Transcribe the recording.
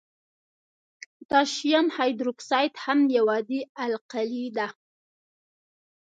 پوتاشیم هایدروکساید هم یو عادي القلي ده.